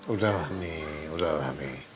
udah lah mi udah lah mi